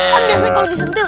kan biasanya kalau disentil